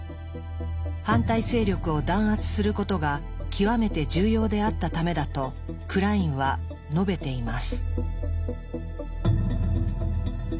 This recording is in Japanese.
反対勢力を弾圧することが極めて重要であったためだとクラインは述べています。